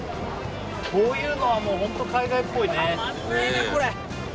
こういうのは本当に海外っぽいね。